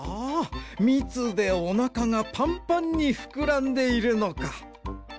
みつでおなかがパンパンにふくらんでいるのか。